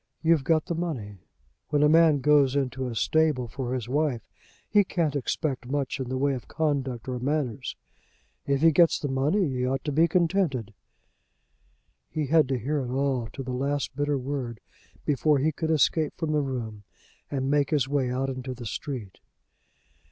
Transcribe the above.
You've got the money. When a man goes into a stable for his wife, he can't expect much in the way of conduct or manners. If he gets the money he ought to be contented." He had to hear it all to the last bitter word before he could escape from the room and make his way out into the street.